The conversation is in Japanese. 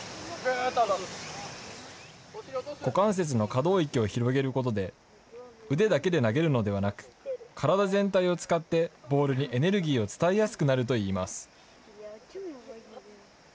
可動域を広げることで、腕だけで投げるのではなく、体全体を使ってボールにエネルギーを伝えやすくなるといいます。